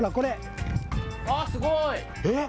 あっ、すごい！えっ。